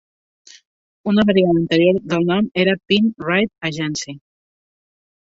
Una variant anterior del nom era Pine Ridge Agency.